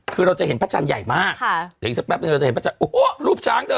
คือเราจะเห็นพระจันทร์ใหญ่มากถึงสักแป๊บหนึ่งเราจะเห็นพระจันทร์โอ้โหรูปช้างเถอะ